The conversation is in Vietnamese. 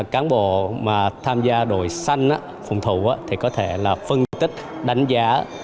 cáng bộ mà tham gia đội xanh phụng thủ thì có thể là phân tích đánh giá